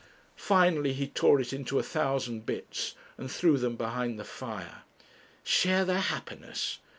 Finally he tore it into a thousand bits, and threw them behind the fire. 'Share their happiness!'